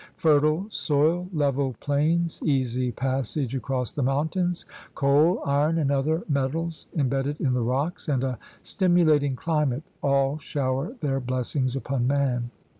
Fertile soil, level plains, easy passage across the mountains, coal, iron, and other metals imbedded in the rocks, and a stimulating climate, all shower their blessings upon man.